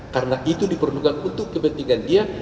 karena itu diperlukan untuk kepentingan dia